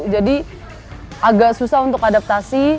jadi agak susah untuk adaptasi